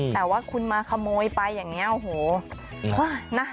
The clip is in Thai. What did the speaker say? แต่ว่าคุณมาขโมยไปอย่างนี้โอ้โหนะ